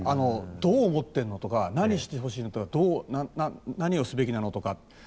どう思っているの？とか何をしてほしいのかとか何をすべきなの？とか。